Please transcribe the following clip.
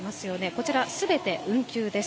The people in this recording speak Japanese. こちらすべて運休です。